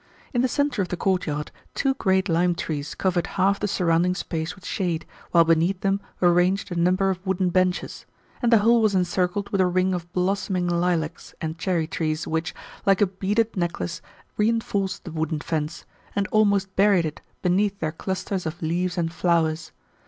In the centre of the courtyard two great lime trees covered half the surrounding space with shade, while beneath them were ranged a number of wooden benches, and the whole was encircled with a ring of blossoming lilacs and cherry trees which, like a beaded necklace, reinforced the wooden fence, and almost buried it beneath their clusters of leaves and flowers.